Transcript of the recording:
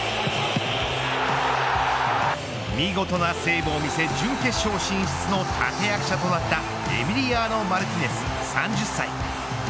見事なセーブを見せ準決勝進出の立て役者となったエミリアーノ・マルティネス３０歳。